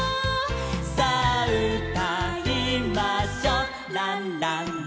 「さあうたいましょうランランラン」